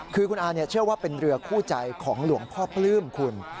คือคุณอาเชื่อว่าเป็นเรือคู่ใจของหลวงพ่อปลื้มคุณ